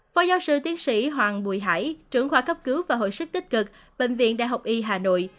phó giáo sư tiến sĩ hoàng bùi hải trưởng khoa cấp cứu và hội sức tích cực bệnh viện đại học y hà nội